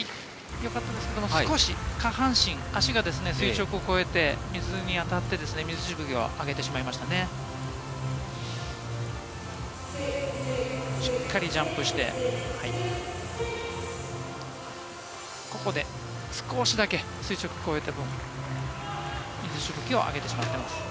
よかったんですけれども、少し下半身、足が垂直をこえて、水に当たって水しぶきを上げてしまいましたね。